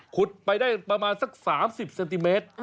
ขุดไปได้ประมาณสัก๓๐เซนติเมตร